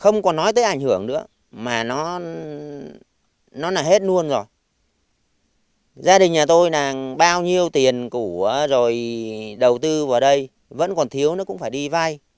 nhà tôi nàng bao nhiêu tiền của rồi đầu tư vào đây vẫn còn thiếu nó cũng phải đi vay